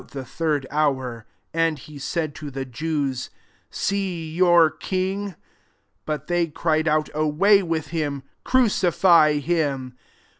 195 the third hour) : and he said to the Jews, "See, your king." 15 But they cried out, " Away, away ttnth hiniy crucify him."